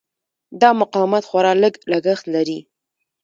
دا مقاومت خورا لږ لګښت لري.